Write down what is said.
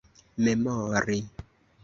memori